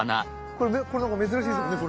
これなんか珍しいですもんね？